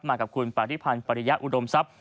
มากับคุณปาริพันธ์ปริยะอุดมทรัพย